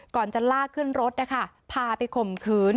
ก่อนจะลากขึ้นรถนะคะพาไปข่มขืน